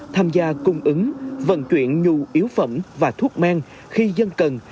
tham gia cung ứng vận chuyển nhu yếu phẩm và thuốc men khi dân cần